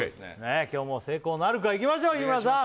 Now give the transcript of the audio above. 今日も成功なるかいきましょう日村さん